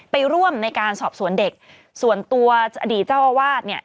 ไปร่วมในการสอบสวนเด็กส่วนตัวอดีตเจ้าอาวาสเนี่ย